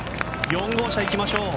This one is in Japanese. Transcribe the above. ４号車行きましょう。